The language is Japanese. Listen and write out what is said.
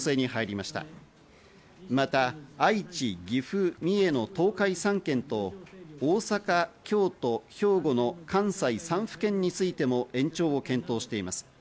また、愛知、岐阜、三重の東海３県と、大阪、京都、兵庫の関西３府県についても延長を検討しています。